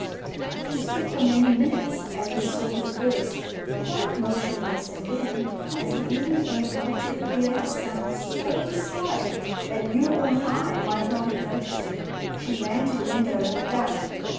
She stood for many minutes as we saw her first, quite motionless, and then, as the evening air brought to her ear a sound so slight that you or I might not have noticed it, she ran to the window and looked out.